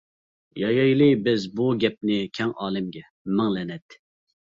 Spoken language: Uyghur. يايايلى بىز بۇ گەپنى كەڭ ئالەمگە، مىڭ لەنەت!